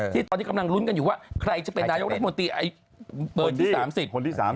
ที่ตอนนี้กำลังลุ้นกันอยู่ว่าใครจะเป็นนายกรัฐมนตรีเบอร์ที่๓๐คนที่๓๐